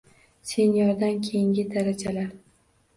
Seniordan keyingi darajalar